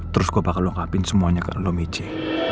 terus gue bakal lengkapin semuanya ke lo miece